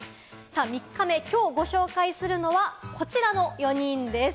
３日目、きょうご紹介するのはこちらの４人です。